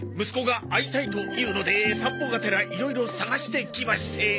息子が会いたいと言うので散歩がてらいろいろ探してきまして。